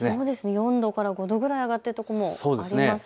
４度から５度くらい上がっているところもありますね。